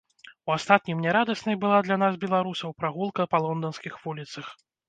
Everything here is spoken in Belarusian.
У астатнім нярадаснай была для нас, беларусаў, прагулка па лонданскіх вуліцах.